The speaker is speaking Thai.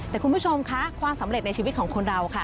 แต่คุณผู้ชมค่ะความสำเร็จในชีวิตของคนเราค่ะ